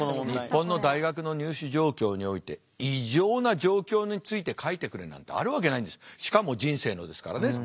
日本の大学の入試状況において異常な状況について書いてくれなんてあるわけないんですしかも人生のですからね。